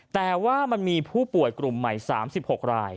แต่ว่ามันมีผู้ป่วยกลุ่มใหม่๓๖ราย